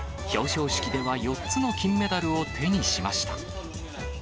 表彰式では４つの金メダルを手にしました。